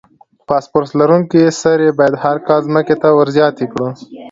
فاسفورس لرونکي سرې باید هر کال ځمکې ته ور زیات کړو.